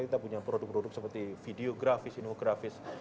kita punya produk produk seperti video grafis infografis